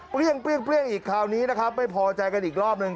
เปรี้ยงเปรี้ยงเปรี้ยงอีกคราวนี้นะครับไม่พอใจกันอีกรอบนึง